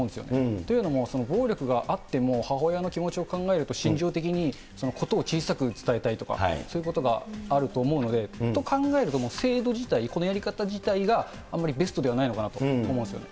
というのも、暴力があっても、母親の気持ちを考えると心情的に、事を小さく伝えたいとか、そういうことがあると思うので、と考えると、制度自体、このやり方自体があんまりベストではないのかなと思うんですよね。